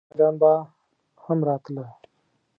نور شاعران به هم راتله؟